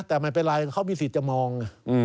แต่ไม่เป็นไรเขามีสิทธิ์จะมอง